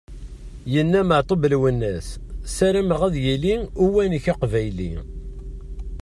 Yenna Meɛtub Lwennas: "sarameɣ ad yili uwanek aqbayli!"